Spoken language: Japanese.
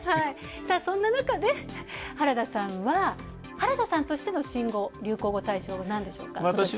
そんななかで原田さんは、原田さんとしての新語・流行語大賞なんでしょうか？